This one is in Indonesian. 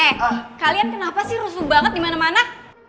eh kalian kenapa sih rusuh banget dimana mana